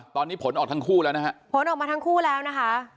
ตอนนี้ผลออกทั้งคู่แล้วนะครับ